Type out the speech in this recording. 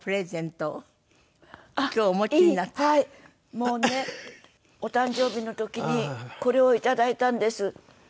もうねお誕生日の時にこれをいただいたんです。